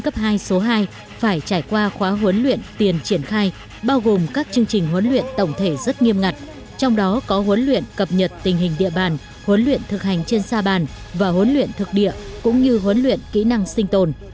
phải trải qua khóa huấn luyện tiền triển khai bao gồm các chương trình huấn luyện tổng thể rất nghiêm ngặt trong đó có huấn luyện cập nhật tình hình địa bàn huấn luyện thực hành trên sa bàn và huấn luyện thực địa cũng như huấn luyện kỹ năng sinh tồn